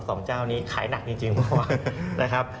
สองเจ้านี้ขายหนักจริงเมื่อวานนะครับ